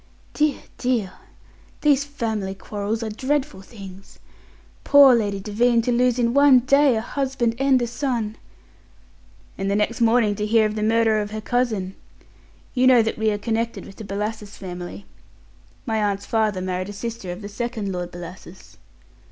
"Dear, dear! These family quarrels are dreadful things. Poor Lady Devine, to lose in one day a husband and a son!" "And the next morning to hear of the murder of her cousin! You know that we are connected with the Bellasis family. My aunt's father married a sister of the second Lord Bellasis."